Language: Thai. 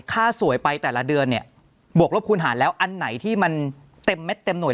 ค่าสวยไปแต่ละเดือนเนี่ยบวกลบคูณหารแล้วอันไหนที่มันเต็มเม็ดเต็มหน่วย